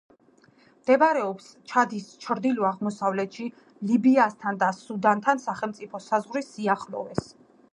მდებარეობს ჩადის ჩრდილო-აღმოსავლეთში, ლიბიასთან და სუდანთან სახელმწიფო საზღვრის სიახლოვეს.